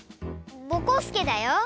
ぼこすけだよ。